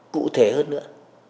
cụ thể hơn nữa